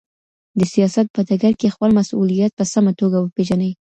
د سياست په ډګر کي خپل مسؤليت په سمه توګه وپېژنئ.